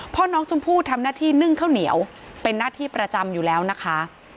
พ่อน้องชมพู่ทำหน้าที่นึ่งข้าวเหนียวเป็นหน้าที่ประจำอยู่แล้วนะคะ